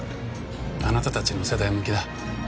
あなたたちの世代向きだ。